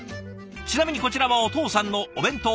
ちなみにこちらはお父さんのお弁当。